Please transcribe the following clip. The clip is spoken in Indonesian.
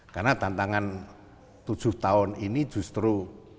karena tantangan tujuh tahun ini justru